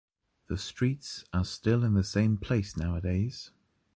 The streets are still in the same place nowadays.